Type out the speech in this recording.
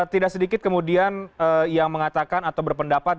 tidak sedikit kemudian yang mengatakan atau berpendapat